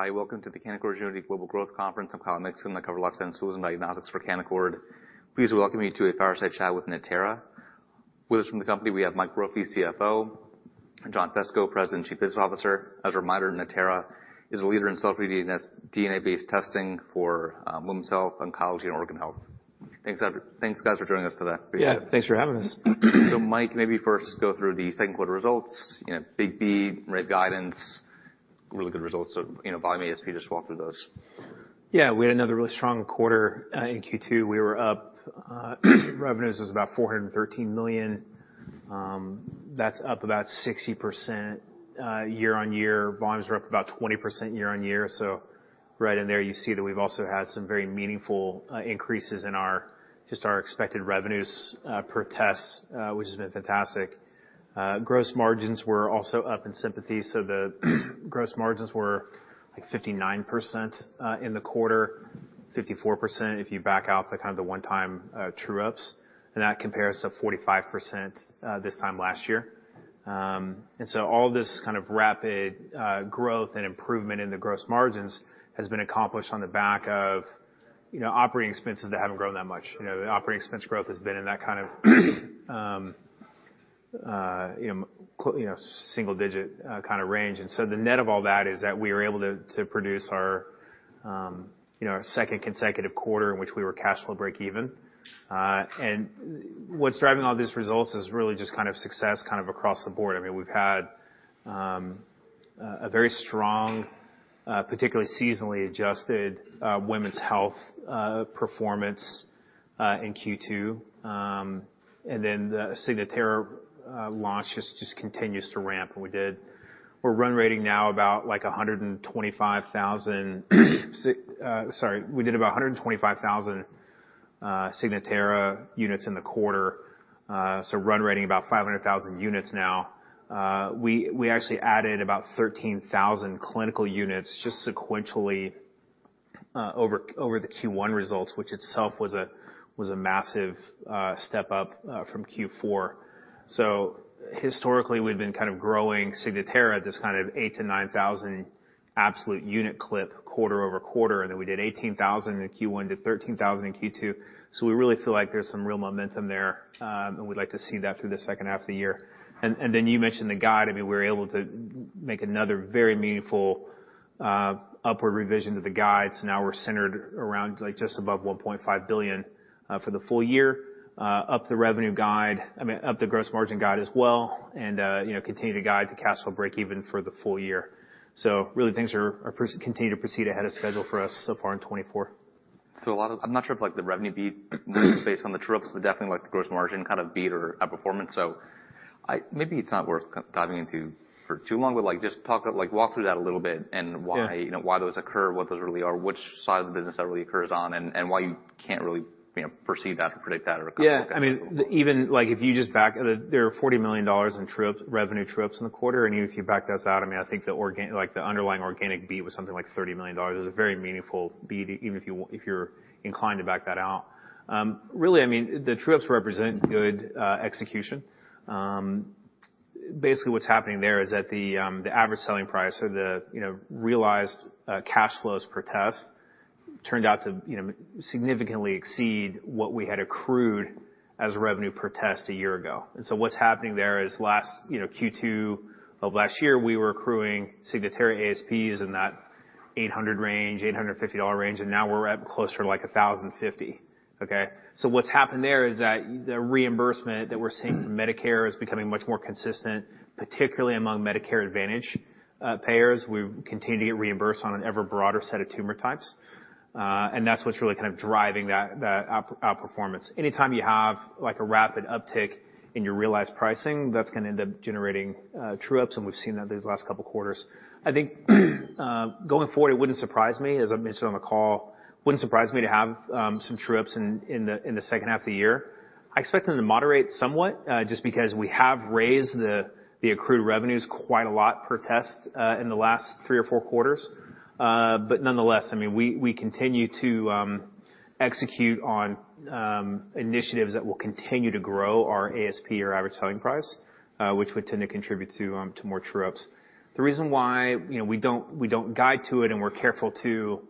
Hi, welcome to the Canaccord Genuity Global Growth Conference. I'm Kyle Mikson. I cover life sciences and diagnostics for Canaccord. Pleased to welcome you to a fireside chat with Natera. With us from the company, we have Mike Brophy, CFO, and John Fesko, President and Chief Business Officer. As a reminder, Natera is a leader in cell-free DNA-based testing for women's health, oncology, and organ health. Thanks, guys, for joining us today. Yeah, thanks for having us. So Mike, maybe first go through the second quarter results. You know, big beat, raised guidance, really good results. So, you know, volume, ASP, just walk through those. Yeah, we had another really strong quarter. In Q2, we were up, revenues was about $413 million. That's up about 60% year-on-year. Volumes were up about 20% year-on-year. So right in there, you see that we've also had some very meaningful increases in our, just our expected revenues per test, which has been fantastic. Gross margins were also up in sympathy, so the gross margins were, like, 59% in the quarter, 54%, if you back out the kind of the one-time true-ups, and that compares to 45% this time last year. And so all this kind of rapid growth and improvement in the gross margins has been accomplished on the back of, you know, operating expenses that haven't grown that much. You know, the operating expense growth has been in that kind of, you know, single digit kind of range. And so the net of all that is that we were able to produce our, you know, our second consecutive quarter in which we were cash flow breakeven. And what's driving all these results is really just kind of success kind of across the board. I mean, we've had a very strong, particularly seasonally adjusted, women's health performance in Q2. And then the Signatera launch just continues to ramp. We're run rating now about, like, 125,000. Sorry, we did about 125,000 Signatera units in the quarter. So run rating about 500,000 units now. We actually added about 13,000 clinical units just sequentially over the Q1 results, which itself was a massive step up from Q4. So historically, we've been kind of growing Signatera at this kind of 8,000-9,000 absolute unit clip, quarter-over-quarter, and then we did 18,000 in Q1 to 13,000 in Q2. So we really feel like there's some real momentum there, and we'd like to see that through the second half of the year. Then you mentioned the guide. I mean, we were able to make another very meaningful upward revision to the guide. So now we're centered around, like, just above $1.5 billion for the full year. up the revenue guide, I mean, up the gross margin guide as well, and, you know, continue to guide to cash flow breakeven for the full year. So really things continue to proceed ahead of schedule for us so far in 2024. So a lot of—I'm not sure if, like, the revenue beat was based on the true-ups, but definitely, like, the gross margin kind of beat or outperformance. So I—maybe it's not worth diving into for too long, but, like, just talk, like, walk through that a little bit and why- Yeah you know, why those occur, what those really are, which side of the business that really occurs on, and, and why you can't really, you know, foresee that or predict that or- Yeah, I mean, even, like, if you just back... There are $40 million in true-ups, revenue true-ups in the quarter, and even if you back us out, I mean, I think the organic—like, the underlying organic beat was something like $30 million. It was a very meaningful beat, even if you're inclined to back that out. Really, I mean, the true-ups represent good execution. Basically, what's happening there, is that the, the average selling price or the, you know, realized cash flows per test, turned out to, you know, significantly exceed what we had accrued as revenue per test a year ago. So what's happening there is last, you know, Q2 of last year, we were accruing Signatera ASPs in that $800 range, $800-$850 range, and now we're up closer to, like, $1,050, okay? So what's happened there is that the reimbursement that we're seeing from Medicare is becoming much more consistent, particularly among Medicare Advantage payers. We continue to get reimbursed on an ever broader set of tumor types, and that's what's really kind of driving that outperformance. Anytime you have, like, a rapid uptick in your realized pricing, that's gonna end up generating true-ups, and we've seen that these last couple of quarters. I think going forward, it wouldn't surprise me, as I mentioned on the call, wouldn't surprise me to have some true-ups in the second half of the year. I expect them to moderate somewhat, just because we have raised the, the accrued revenues quite a lot per test, in the last three or four quarters. But nonetheless, I mean, we, we continue to execute on initiatives that will continue to grow our ASP or average selling price, which would tend to contribute to to more true-ups. The reason why, you know, we don't, we don't guide to it, and we're careful to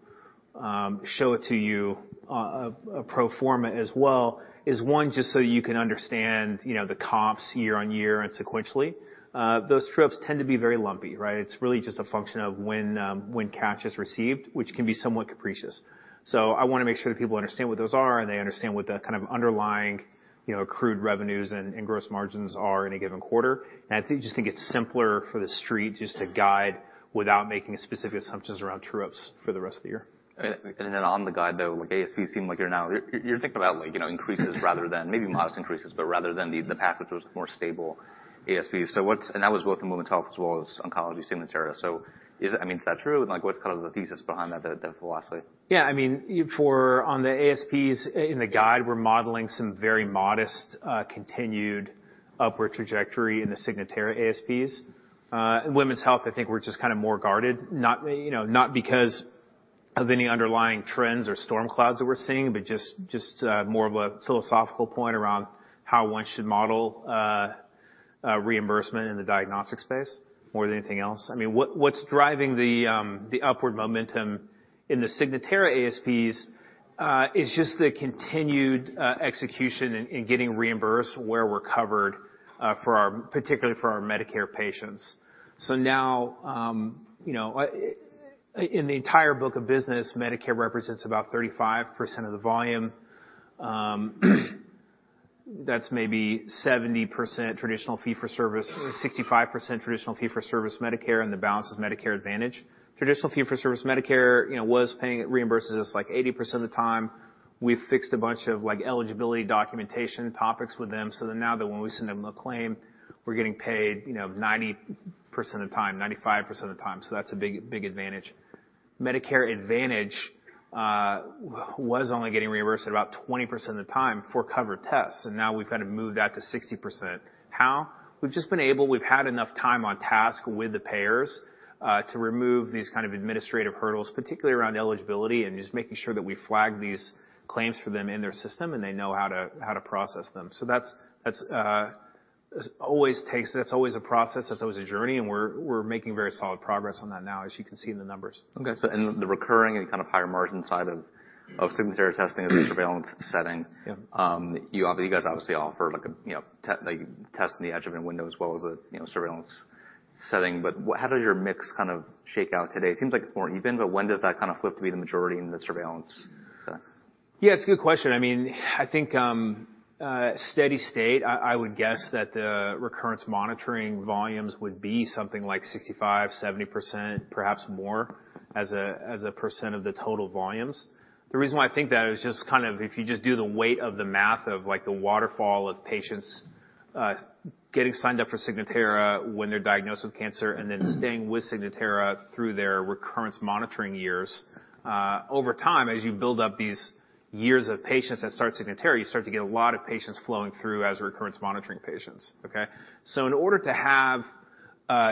show it to you, a pro forma as well, is one, just so you can understand, you know, the comps year-over-year and sequentially. Those true-ups tend to be very lumpy, right? It's really just a function of when, when cash is received, which can be somewhat capricious. So I wanna make sure that people understand what those are, and they understand what the kind of underlying, you know, accrued revenues and gross margins are in a given quarter. And I just think it's simpler for the street just to guide without making specific assumptions around true-ups for the rest of the year. And then on the guide, though, like ASP seem like you're now... You're, you're thinking about, like, you know, increases rather than maybe modest increases, but rather than the, the path, which was more stable ASP. So what's- and that was both in women's health as well as oncology Signatera. So is it- I mean, is that true? And like, what's kind of the thesis behind that, the, the philosophy? Yeah, I mean, for on the ASPs in the guide, we're modeling some very modest, continued upward trajectory in the Signatera ASPs. In women's health, I think we're just kind of more guarded, not, you know, not because of any underlying trends or storm clouds that we're seeing, but just, just, more of a philosophical point around how one should model, reimbursement in the diagnostic space more than anything else. I mean, what's driving the, the upward momentum in the Signatera ASPs, is just the continued, execution in, in getting reimbursed where we're covered, for our, particularly for our Medicare patients. So now, you know, in the entire book of business, Medicare represents about 35% of the volume. That's maybe 70% traditional fee-for-service, 65% traditional fee-for-service Medicare, and the balance is Medicare Advantage. Traditional fee-for-service Medicare, you know, was paying. It reimburses us, like, 80% of the time. We've fixed a bunch of, like, eligibility documentation topics with them, so that now that when we send them a claim, we're getting paid, you know, 90% of the time, 95% of the time. So that's a big, big advantage. Medicare Advantage was only getting reimbursed at about 20% of the time for covered tests, and now we've kind of moved that to 60%. How? We've just been able... We've had enough time on task with the payers to remove these kind of administrative hurdles, particularly around eligibility and just making sure that we flag these claims for them in their system, and they know how to process them. So that's always a process. That's always a journey, and we're making very solid progress on that now, as you can see in the numbers. Okay. So the recurring and kind of higher margin side of Signatera testing is a surveillance setting. Yeah. You guys obviously offer, like, a, you know, test in the adjuvant window as well as a, you know, surveillance setting. But what, how does your mix kind of shake out today? It seems like it's more even, but when does that kind of flip to be the majority in the surveillance setting? Yeah, it's a good question. I mean, I think, steady state, I would guess that the recurrence monitoring volumes would be something like 65%-70%, perhaps more, as a percent of the total volumes. The reason why I think that is just kind of if you just do the weight of the math of, like, the waterfall of patients getting signed up for Signatera when they're diagnosed with cancer, and then staying with Signatera through their recurrence monitoring years. Over time, as you build up these years of patients that start Signatera, you start to get a lot of patients flowing through as recurrence monitoring patients, okay? So in order to have,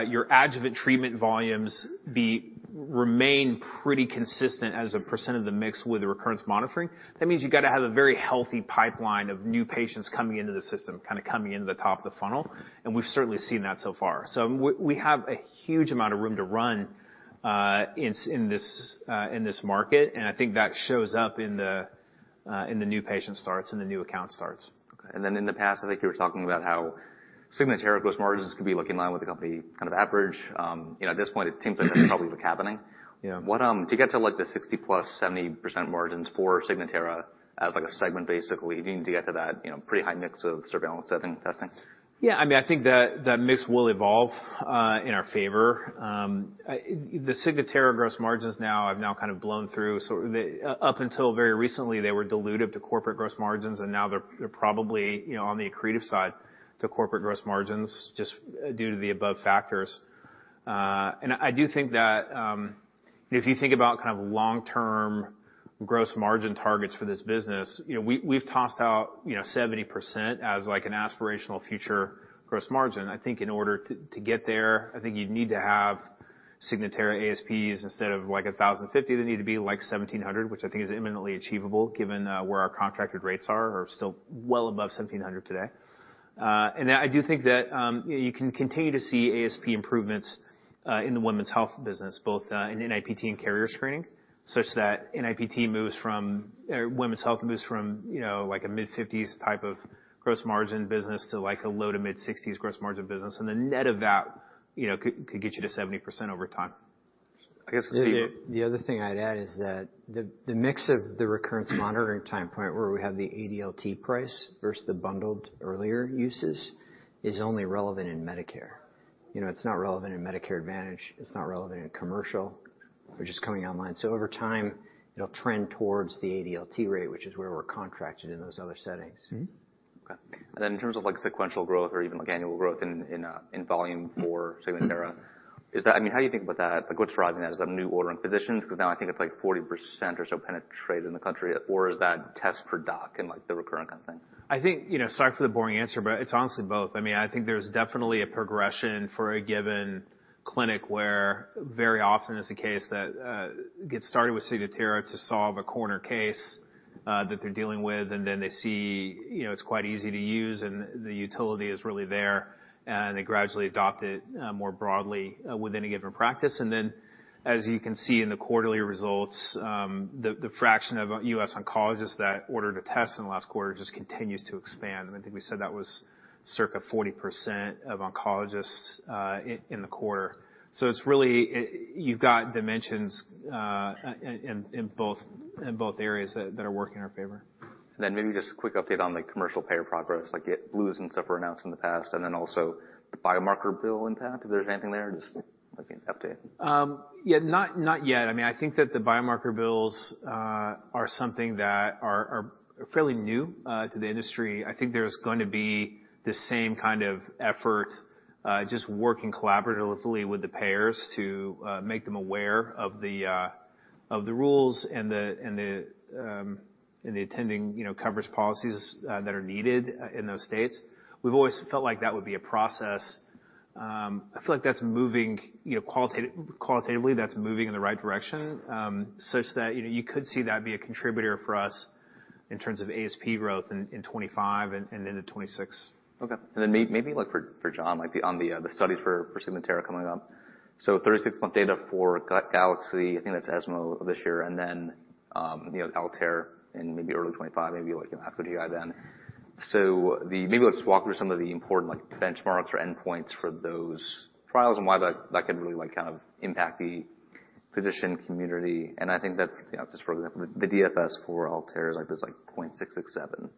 your adjuvant treatment volumes be... remain pretty consistent as a percent of the mix with the recurrence monitoring, that means you've got to have a very healthy pipeline of new patients coming into the system, kind of coming into the top of the funnel, and we've certainly seen that so far. So we, we have a huge amount of room to run, in this market, and I think that shows up in the new patient starts and the new account starts. Okay. And then in the past, I think you were talking about how Signatera gross margins could be looking in line with the company, kind of average. You know, at this point, it seems like that's probably what's happening. Yeah. What, to get to, like, the 60+, 70% margins for Signatera as, like, a segment, basically, do you need to get to that, you know, pretty high mix of surveillance setting testing? Yeah, I mean, I think that the mix will evolve in our favor. The Signatera gross margins now have kind of blown through. So up until very recently, they were dilutive to corporate gross margins, and now they're probably, you know, on the accretive side to corporate gross margins, just due to the above factors. And I do think that if you think about kind of long-term gross margin targets for this business, you know, we, we've tossed out, you know, 70% as, like, an aspirational future gross margin. I think in order to get there, I think you'd need to have Signatera ASPs instead of, like, $1,050, they need to be, like, $1,700, which I think is imminently achievable, given where our contracted rates are still well above $1,700 today. And I do think that, you know, you can continue to see ASP improvements in the women's health business, both in NIPT and carrier screening, such that NIPT moves from... or women's health moves from, you know, like, a mid-50s type of gross margin business to, like, a low- to mid-60s gross margin business. And the net of that, you know, could get you to 70% over time. I guess the- The other thing I'd add is that the mix of the recurrence monitoring time point, where we have the ADLT price versus the bundled earlier uses, is only relevant in Medicare. You know, it's not relevant in Medicare Advantage, it's not relevant in commercial, which is coming online. So over time, it'll trend towards the ADLT rate, which is where we're contracted in those other settings. Mm-hmm. Okay. And then in terms of, like, sequential growth or even, like, annual growth in volume for Signatera- Mm-hmm. I mean, how do you think about that? Like, what's driving that? Is that new ordering physicians? Because now I think it's, like, 40% or so penetrated in the country, or is that test per doc in, like, the recurrent kind of thing? I think, you know, sorry for the boring answer, but it's honestly both. I mean, I think there's definitely a progression for a given clinic, where very often it's the case that gets started with Signatera to solve a corner case that they're dealing with, and then they see, you know, it's quite easy to use, and the utility is really there, and they gradually adopt it more broadly within a given practice. And then, as you can see in the quarterly results, the fraction of U.S. oncologists that ordered a test in the last quarter just continues to expand. And I think we said that was circa 40% of oncologists in the quarter. So it's really, you've got dimensions in both areas that are working in our favor. Then maybe just a quick update on the commercial payer progress, like getting Blues and stuff were announced in the past, and then also the biomarker bill impact, if there's anything there, just like an update. Yeah, not, not yet. I mean, I think that the biomarker bills are something that are fairly new to the industry. I think there's going to be the same kind of effort, just working collaboratively with the payers to make them aware of the rules and the attending, you know, coverage policies that are needed in those states. We've always felt like that would be a process. I feel like that's moving, you know, qualitatively, that's moving in the right direction, such that, you know, you could see that be a contributor for us in terms of ASP growth in 2025 and into 2026. Okay. And then maybe like for John, like the study for Signatera coming up. So 36-month data for GALAXY, I think that's ESMO this year, and then, you know, ALTAIR in maybe early 2025, maybe like an ASCO GI then. So maybe let's walk through some of the important, like, benchmarks or endpoints for those trials and why that could really, like, kind of impact the physician community. And I think that, you know, just for example, the DFS for ALTAIR, like this 0.667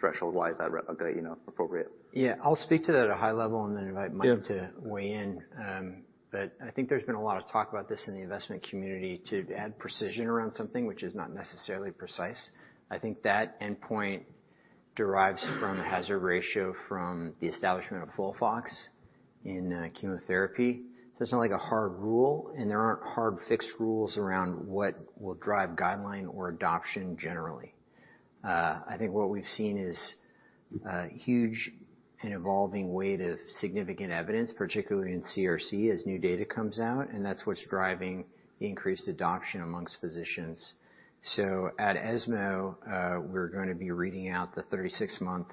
threshold, why is that okay, you know, appropriate? Yeah, I'll speak to that at a high level and then invite Mike- Yeah to weigh in. But I think there's been a lot of talk about this in the investment community to add precision around something which is not necessarily precise. I think that endpoint derives from a hazard ratio from the establishment of FOLFOX in chemotherapy. So it's not like a hard rule, and there aren't hard fixed rules around what will drive guideline or adoption generally. I think what we've seen is a huge and evolving weight of significant evidence, particularly in CRC, as new data comes out, and that's what's driving increased adoption amongst physicians. So at ESMO, we're going to be reading out the 36-month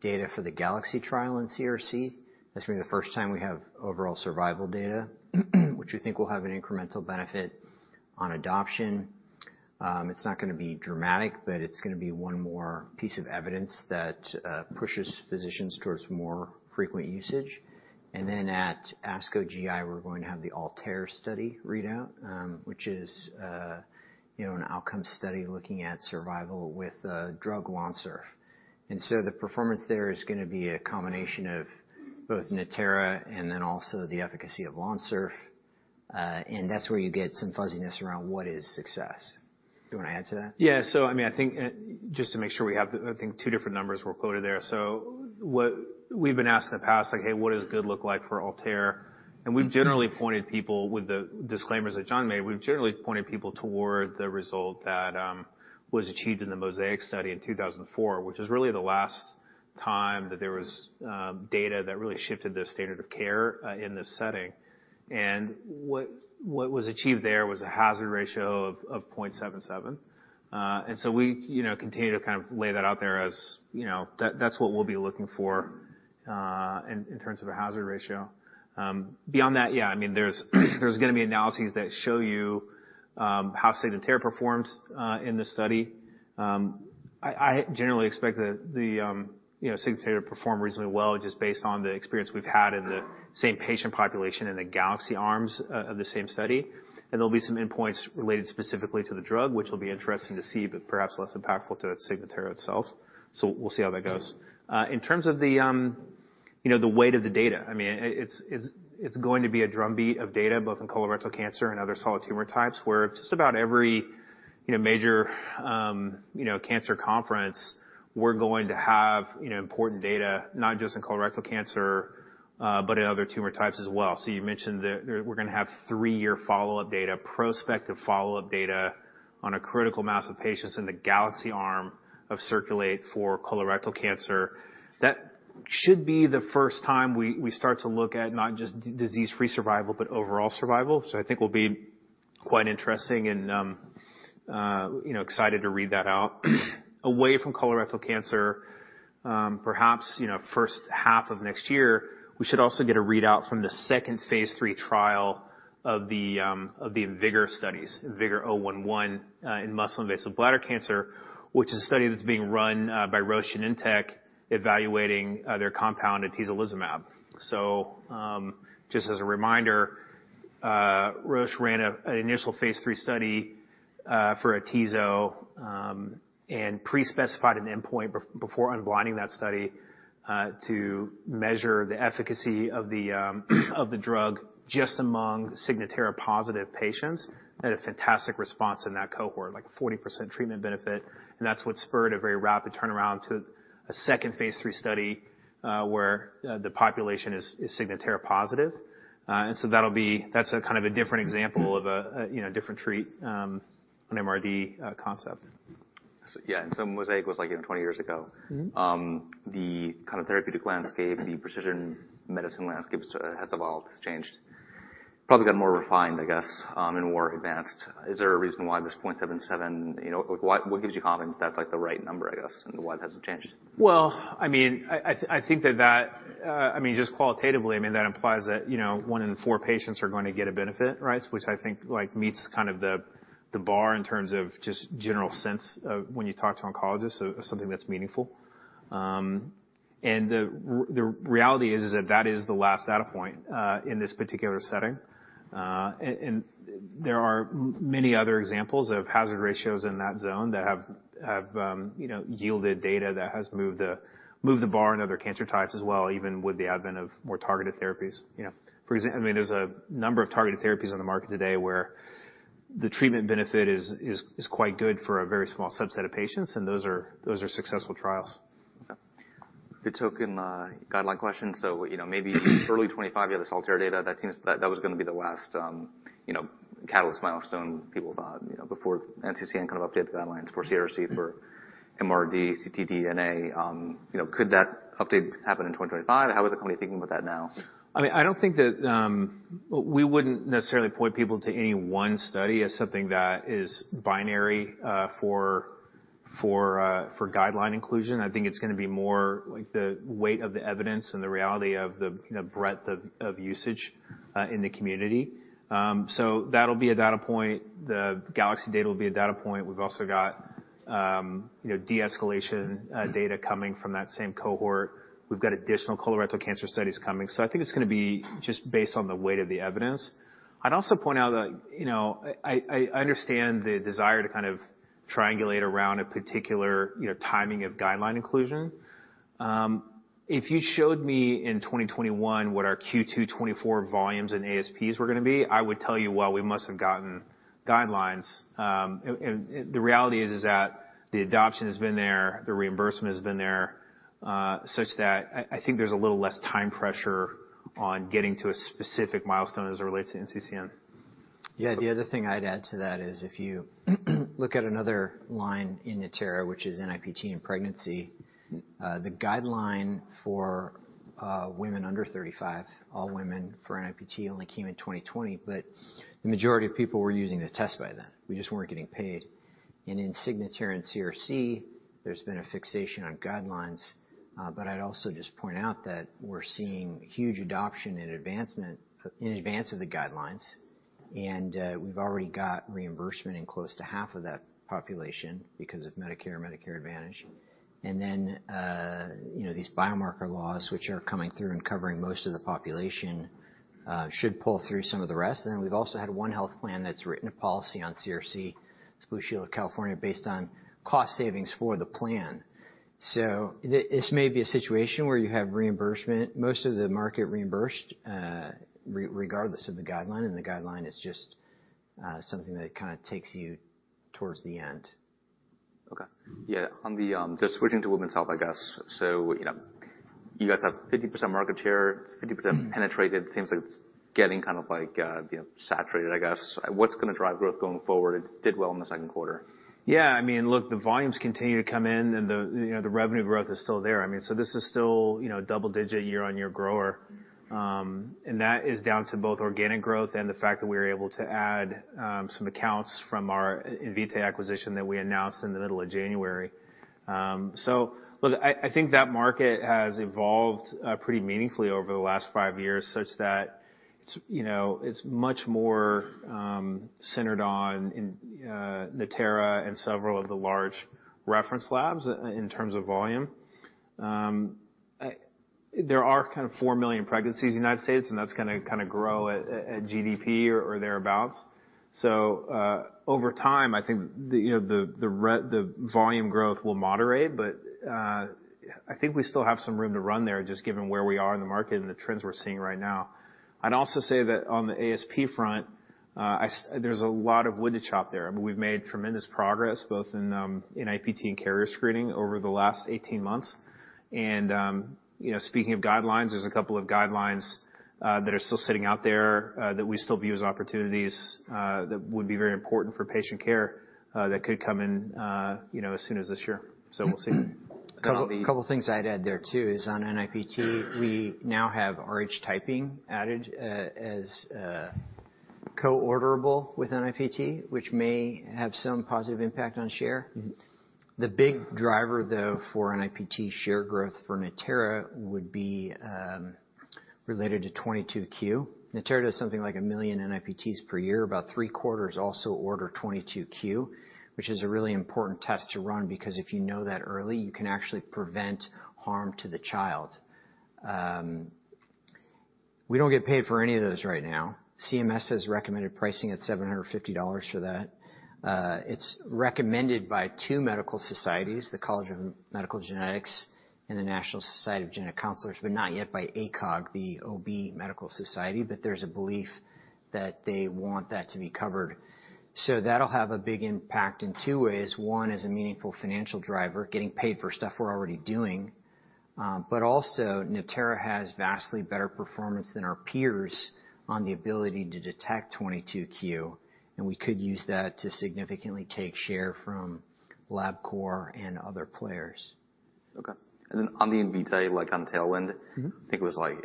data for the GALAXY trial in CRC. This will be the first time we have overall survival data, which we think will have an incremental benefit on adoption. It's not gonna be dramatic, but it's gonna be one more piece of evidence that pushes physicians towards more frequent usage. And then at ASCO GI, we're going to have the ALTAIR study readout, which is, you know, an outcome study looking at survival with a drug Lonsurf. And so the performance there is gonna be a combination of both Natera and then also the efficacy of Lonsurf. And that's where you get some fuzziness around what is success. Do you want to add to that? Yeah. So I mean, I think, just to make sure we have the... I think two different numbers were quoted there. So what we've been asked in the past, like: Hey, what does good look like for ALTAIR? Mm-hmm. We've generally pointed people, with the disclaimers that John made, we've generally pointed people toward the result that was achieved in the MOSAIC study in 2004, which is really the last time that there was data that really shifted the standard of care in this setting. And what was achieved there was a hazard ratio of 0.77. And so we, you know, continue to kind of lay that out there as, you know, that's what we'll be looking for in terms of a hazard ratio. Beyond that, yeah, I mean, there's gonna be analyses that show you how Signatera performed in this study. I generally expect that the, you know, Signatera performed reasonably well, just based on the experience we've had in the same patient population in the Galaxy arms of the same study. And there'll be some endpoints related specifically to the drug, which will be interesting to see, but perhaps less impactful to Signatera itself. So we'll see how that goes. In terms of the, you know, the weight of the data, I mean, it's going to be a drumbeat of data, both in colorectal cancer and other solid tumor types, where just about every, you know, major, you know, cancer conference, we're going to have, you know, important data, not just in colorectal cancer, but in other tumor types as well. So you mentioned that there... We're gonna have three-year follow-up data, prospective follow-up data, on a critical mass of patients in the GALAXY arm of CIRCULATE for colorectal cancer. That should be the first time we, we start to look at not just disease-free survival, but overall survival. So I think will be quite interesting and, you know, excited to read that out. Away from colorectal cancer, perhaps, you know, first half of next year, we should also get a readout from the second Phase 3 trial of the, of the IMvigor studies, IMvigor011, in muscle-invasive bladder cancer, which is a study that's being run, by Roche and Genentech, evaluating, their compound atezolizumab. So, just as a reminder, Roche ran an initial Phase 3 study for Atezo and pre-specified an endpoint before unblinding that study to measure the efficacy of the drug just among Signatera-positive patients, had a fantastic response in that cohort, like 40% treatment benefit, and that's what spurred a very rapid turnaround to a second Phase 3 study where the population is Signatera-positive. And so that'll be... That's a kind of a different example- Mm-hmm... of a, you know, different treatment, an MRD concept. Yeah, and so MOSAIC was, like, you know, 20 years ago. Mm-hmm. The kind of therapeutic landscape, the precision medicine landscape has, has evolved, has changed. Probably got more refined, I guess, and more advanced. Is there a reason why this 0.77, you know, like, why—what gives you confidence that's, like, the right number, I guess, and why it hasn't changed? Well, I mean, I think that that, I mean, just qualitatively, I mean, that implies that, you know, one in four patients are going to get a benefit, right? Which I think, like, meets kind of the bar in terms of just general sense of when you talk to oncologists, so something that's meaningful. And the reality is that that is the last data point in this particular setting. And there are many other examples of hazard ratios in that zone that have yielded data that has moved the bar in other cancer types as well, even with the advent of more targeted therapies. You know, I mean, there's a number of targeted therapies on the market today where the treatment benefit is quite good for a very small subset of patients, and those are successful trials. To take in guideline questions. So, you know, maybe early 2025, you have this ALTAIR data that seems—that, that was going to be the last, you know, catalyst milestone people thought, you know, before NCCN kind of updated the guidelines for CRC, for MRD, ctDNA. You know, could that update happen in 2025? How is the company thinking about that now? I mean, I don't think that we wouldn't necessarily point people to any one study as something that is binary for guideline inclusion. I think it's going to be more like the weight of the evidence and the reality of the, you know, breadth of usage in the community. So that'll be a data point. The GALAXY data will be a data point. We've also got, you know, de-escalation data coming from that same cohort. We've got additional colorectal cancer studies coming, so I think it's going to be just based on the weight of the evidence. I'd also point out that, you know, I understand the desire to kind of triangulate around a particular, you know, timing of guideline inclusion. If you showed me in 2021 what our Q2 2024 volumes and ASPs were going to be, I would tell you, "Well, we must have gotten guidelines." And the reality is that the adoption has been there, the reimbursement has been there, such that I think there's a little less time pressure on getting to a specific milestone as it relates to NCCN. Yeah, the other thing I'd add to that is, if you look at another line in Natera, which is NIPT in pregnancy, the guideline for women under 35, all women for NIPT, only came in 2020, but the majority of people were using the test by then. We just weren't getting paid. And in Signatera and CRC, there's been a fixation on guidelines, but I'd also just point out that we're seeing huge adoption and advancement in advance of the guidelines. And we've already got reimbursement in close to half of that population because of Medicare, Medicare Advantage. And then, you know, these biomarker laws, which are coming through and covering most of the population, should pull through some of the rest. And then we've also had one health plan that's written a policy on CRC, Blue Shield of California, based on cost savings for the plan. So this may be a situation where you have reimbursement, most of the market reimbursed, regardless of the guideline, and the guideline is just something that kind of takes you towards the end. Okay. Yeah, on the... Just switching to women's health, I guess. So, you know, you guys have 50% market share, 50% penetrated. Seems like it's getting kind of like, you know, saturated, I guess. What's going to drive growth going forward? It did well in the second quarter. Yeah, I mean, look, the volumes continue to come in and the, you know, the revenue growth is still there. I mean, so this is still, you know, double-digit year-on-year grower. And that is down to both organic growth and the fact that we were able to add some accounts from our Invitae acquisition that we announced in the middle of January. So look, I think that market has evolved pretty meaningfully over the last 5 years, such that it's, you know, it's much more centered on Natera and several of the large reference labs in terms of volume. There are kind of 4 million pregnancies in the United States, and that's gonna kind of grow at GDP or thereabouts. So, over time, I think the, you know, the volume growth will moderate, but, I think we still have some room to run there, just given where we are in the market and the trends we're seeing right now. I'd also say that on the ASP front, there's a lot of wood to chop there. We've made tremendous progress, both in, NIPT and carrier screening over the last 18 months. And, you know, speaking of guidelines, there's a couple of guidelines, that are still sitting out there, that we still view as opportunities, that would be very important for patient care, that could come in, you know, as soon as this year. So we'll see. A couple, couple of things I'd add there, too, is on NIPT, we now have Rh typing added as a co-orderable with NIPT, which may have some positive impact on share. Mm-hmm. The big driver, though, for NIPT share growth for Natera would be related to 22q. Natera does something like a million NIPTs per year. About three-quarters also order 22q, which is a really important test to run, because if you know that early, you can actually prevent harm to the child. We don't get paid for any of those right now. CMS has recommended pricing at $750 for that. It's recommended by two medical societies, the College of Medical Genetics and the National Society of Genetic Counselors, but not yet by ACOG, the OB medical society, but there's a belief that they want that to be covered. So that'll have a big impact in two ways. One, as a meaningful financial driver, getting paid for stuff we're already doing. But also, Natera has vastly better performance than our peers on the ability to detect 22q, and we could use that to significantly take share from Labcorp and other players. Okay. And then on the Invitae, like, on the tail end- Mm-hmm. I think it was like,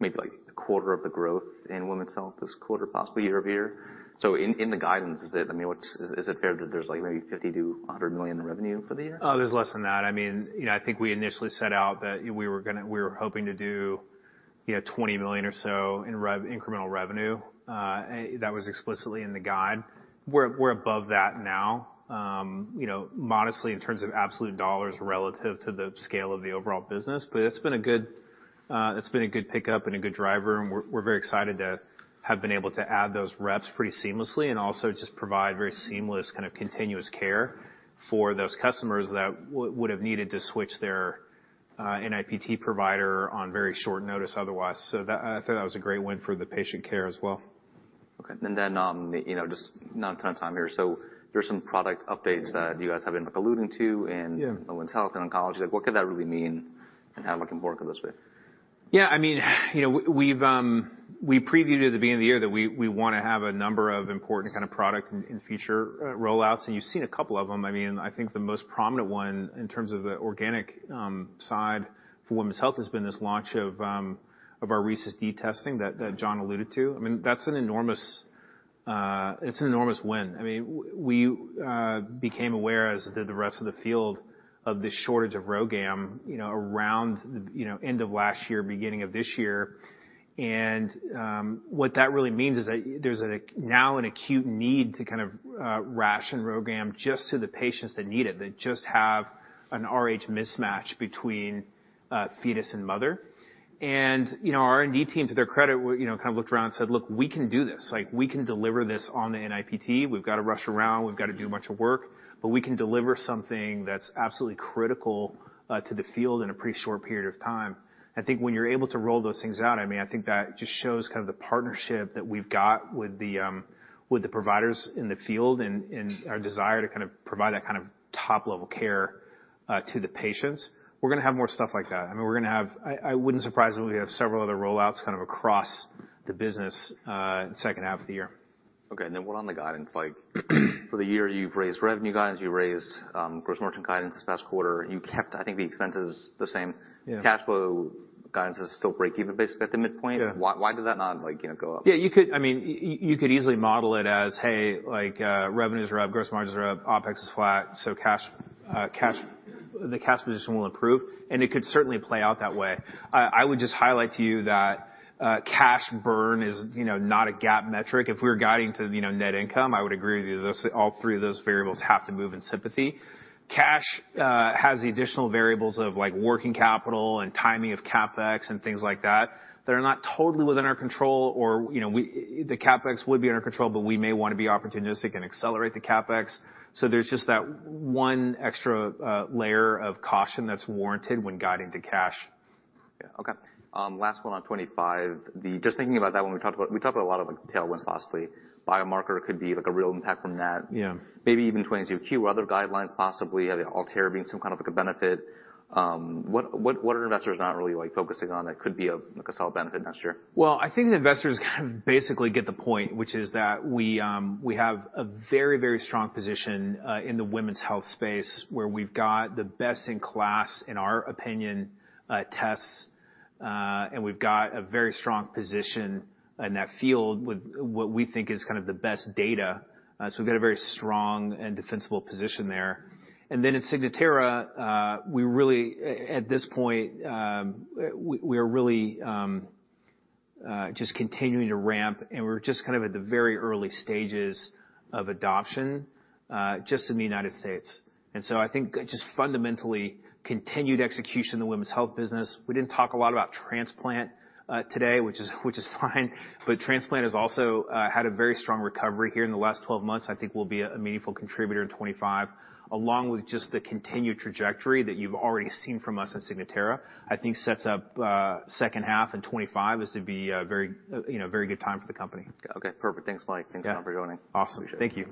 maybe like a quarter of the growth in women's health this quarter, possibly year-over-year. So in the guidance, is it... I mean, what's... is it fair that there's, like, maybe $50 million-$100 million in revenue for the year? Oh, there's less than that. I mean, you know, I think we initially set out that we were gonna-- we were hoping to do, you know, $20 million or so in incremental revenue, and that was explicitly in the guide. We're, we're above that now, you know, modestly in terms of absolute dollars relative to the scale of the overall business. But it's been a good, it's been a good pickup and a good driver, and we're, we're very excited to have been able to add those reps pretty seamlessly and also just provide very seamless, kind of, continuous care for those customers that would've needed to switch their NIPT provider on very short notice otherwise. So that, I think that was a great win for the patient care as well. Okay, and then, you know, just not a ton of time here. So there's some product updates that you guys have been alluding to in- Yeah. Women's health and oncology. Like, what could that really mean, and how it can work in this way? Yeah, I mean, you know, we've previewed at the beginning of the year that we wanna have a number of important kind of product in future rollouts, and you've seen a couple of them. I mean, I think the most prominent one, in terms of the organic side for women's health, has been this launch of our Rhesus D testing that John alluded to. I mean, that's an enormous. It's an enormous win. I mean, we became aware, as did the rest of the field, of this shortage of RhoGAM, you know, around end of last year, beginning of this year. And, what that really means is that there's now an acute need to kind of ration RhoGAM just to the patients that need it, that just have an Rh mismatch between fetus and mother. And, you know, our R&D team, to their credit, you know, kind of looked around and said, "Look, we can do this. Like, we can deliver this on the NIPT. We've got to rush around, we've got to do a bunch of work, but we can deliver something that's absolutely critical to the field in a pretty short period of time." I think when you're able to roll those things out, I mean, I think that just shows kind of the partnership that we've got with the providers in the field and our desire to kind of provide that kind of top-level care to the patients. We're gonna have more stuff like that. I mean, we're gonna have... I wouldn't be surprised if we have several other rollouts kind of across the business in the second half of the year. Okay, and then one on the guidance, like, for the year, you've raised revenue guidance, you've raised, gross margin guidance this past quarter. You kept, I think, the expenses the same. Yeah. Cash flow guidance is still breakeven, basically, at the midpoint. Yeah. Why, why did that not, like, you know, go up? Yeah, you could... I mean, you could easily model it as, hey, like, revenues are up, gross margins are up, OpEx is flat, so cash, cash, the cash position will improve, and it could certainly play out that way. I would just highlight to you that cash burn is, you know, not a GAAP metric. If we were guiding to, you know, net income, I would agree with you. Those, all three of those variables have to move in sympathy. Cash has the additional variables of, like, working capital and timing of CapEx and things like that. They're not totally within our control or, you know, the CapEx would be under control, but we may wanna be opportunistic and accelerate the CapEx. So there's just that one extra layer of caution that's warranted when guiding to cash. Yeah. Okay. Last one on 2025, just thinking about that, when we talked about, we talked about a lot of, like, tailwinds, possibly. Biomarker could be, like, a real impact from that. Yeah. Maybe even 22q, other guidelines, possibly, have ALTAIR being some kind of, like, a benefit. What, what, what are investors not really, like, focusing on that could be a, like, a solid benefit next year? Well, I think the investors kind of basically get the point, which is that we, we have a very, very strong position, in the women's health space, where we've got the best-in-class, in our opinion, tests. And we've got a very strong position in that field with what we think is kind of the best data. So we've got a very strong and defensible position there. And then in Signatera, we really, at this point, we are really, just continuing to ramp, and we're just kind of at the very early stages of adoption, just in the United States. And so I think just fundamentally continued execution in the women's health business. We didn't talk a lot about transplant, today, which is, which is fine, but transplant has also, had a very strong recovery here in the last 12 months, I think will be a, a meaningful contributor in 2025, along with just the continued trajectory that you've already seen from us in Signatera. I think sets up, second half in 2025 as to be a very, you know, very good time for the company. Okay, perfect. Thanks, Mike. Yeah. Thanks a lot for joining. Awesome. Appreciate it. Thank you.